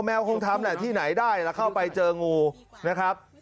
คงทำแหละที่ไหนได้แล้วเข้าไปเจองูนะครับ